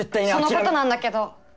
そのことなんだけど。